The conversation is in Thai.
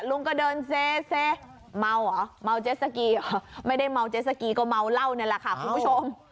ลุงก็เดินเซเมาเหรอเมาเจสสกีเหรอไม่ได้เมาเจสสกีก็เมาเหล้านี่แหละค่ะคุณผู้ชม